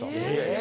・え！？